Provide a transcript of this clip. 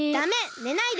ねないで！